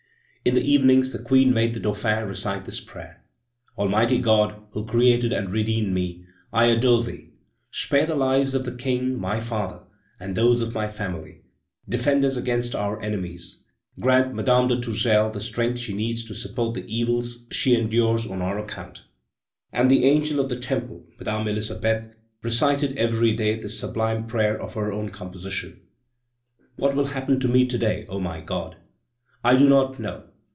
In the evenings the Queen made the Dauphin recite this prayer: "Almighty God, who created and redeemed me, I adore Thee. Spare the lives of the King, my father, and those of my family! Defend us against our enemies! Grant Madame de Tourzel the strength she needs to support the evils she endures on our account." And the angel of the Temple, Madame Elisabeth, recited every day this sublime prayer of her own composition: "What will happen to me to day, O my God! I do not know.